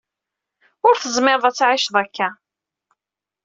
Ur tezmireḍ ad tɛiceḍ akka.